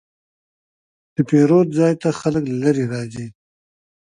د پیرود ځای ته خلک له لرې راځي.